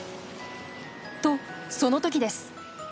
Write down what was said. とその時です！